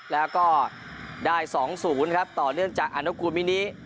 แล้วก็ได้๒ศูนย์ครับต่อเนื่องจากอันโกมินิ